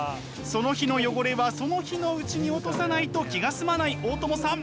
その日の汚れはその日のうちに落とさないと気が済まない大友さん。